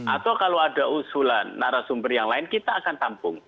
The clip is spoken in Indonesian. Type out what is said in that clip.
atau kalau ada usulan narasumber yang lain kita akan tampung